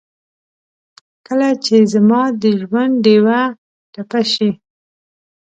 کله چې زما دژوندډېوه ټپه شي